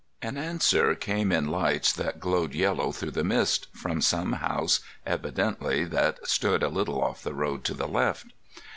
An answer came in lights that glowed yellow through the mist, from some house evidently that stood a little off the road to the left.